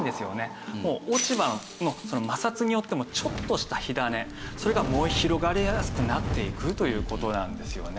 落ち葉の摩擦によってもちょっとした火種それが燃え広がりやすくなっていくという事なんですよね。